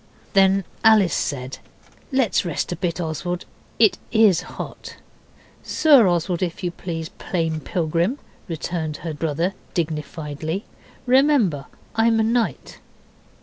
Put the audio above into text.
Then Alice said, 'Let's rest a bit, Oswald, it IS hot.' 'Sir Oswald, if you please, Plain Pilgrim,' returned her brother dignifiedly. 'Remember I'm a knight.